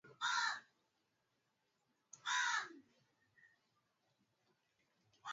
sio rahisi kuingia katika mji wa tiproli na kuweza kuwapata raia wetu wote